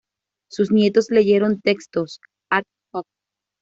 Sus nietos leyeron textos "ad hoc.